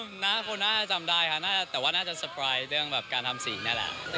หน้าคนน่าจะจำได้ค่ะแต่ว่าน่าจะสปายเรื่องแบบการทำสีนี่แหละ